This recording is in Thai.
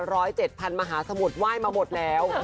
ร้อยเจ็ดพันมหาสมุทรไหว้มาหมดแล้ว